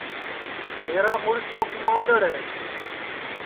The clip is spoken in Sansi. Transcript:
میرا مُرس تو کُماودؔڑ ہے